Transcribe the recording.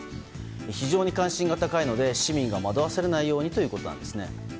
非常に関心が高いので市民が惑わされないようにということです。